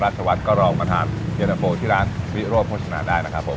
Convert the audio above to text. ราชวัตรก็รอมาทานเฮียดาโฟล์ที่ร้านวิโรปโฆษณาได้นะครับผม